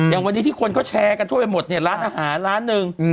อย่างวันนี้ที่คนเขาแชร์กันทั่วไปหมดเนี่ยร้านอาหารร้านหนึ่ง